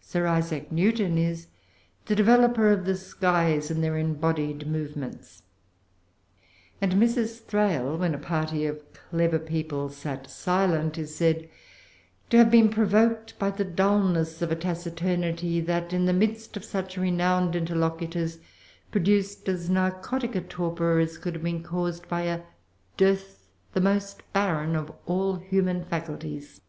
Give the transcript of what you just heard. Sir Isaac Newton is "the developer of the skies in their embodied movements;" and Mrs. Thrale, when a party of clever people sat silent, is said "to have been provoked by the dulness of a taciturnity that, in the midst of such renowned interlocutors, produced as narcotic a torpor as could have been caused by a dearth the most barren of all human faculties."